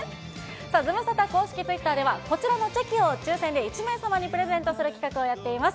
さあ、ズムサタ公式ツイッターでは、こちらのチェキを抽せんで１名様にプレゼントする企画をやっています。